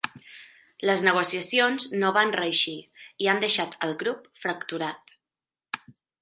Les negociacions no van reeixir i han deixat el grup fracturat.